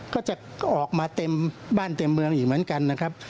ก็จะออกมาเต็มบ้านเต็มเมืองอีกเหมือนกันนะครับ